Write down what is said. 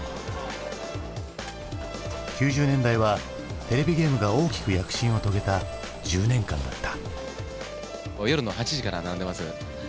９０年代はテレビゲームが大きく躍進を遂げた１０年間だった。